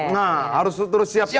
nah harus terus siap gak